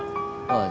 ああ。